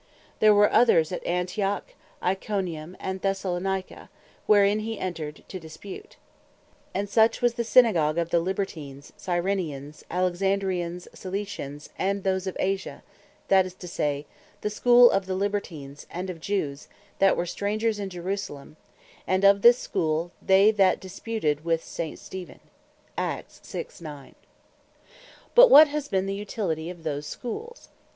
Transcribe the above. There were others at Antioch, Iconium and Thessalonica, whereinto he entred, to dispute: And such was the Synagogue of the Libertines, Cyrenians, Alexandrians, Cilicians, and those of Asia; that is to say, the Schoole of Libertines, and of Jewes, that were strangers in Jerusalem: And of this Schoole they were that disputed with Saint Steven. The Schoole Of Graecians Unprofitable But what has been the Utility of those Schools?